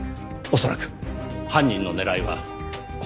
恐らく犯人の狙いはこれです。